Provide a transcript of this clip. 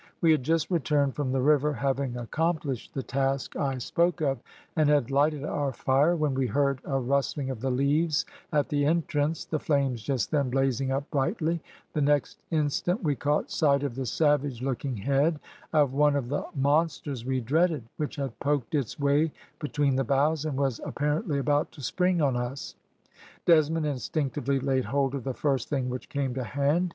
We had just returned from the river, having accomplished the task I spoke of, and had lighted our fire, when we heard a rustling of the leaves at the entrance, the flames just then blazing up brightly; the next instant we caught sight of the savage looking head of one of the monsters we dreaded, which had poked its way between the boughs, and was apparently about to spring on us. Desmond instinctively laid hold of the first thing which came to hand.